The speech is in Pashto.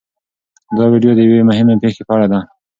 دا ویډیو د یوې مهمې پېښې په اړه ده.